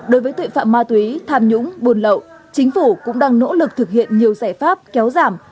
đối với tội phạm ma túy tham nhũng buôn lậu chính phủ cũng đang nỗ lực thực hiện nhiều giải pháp kéo giảm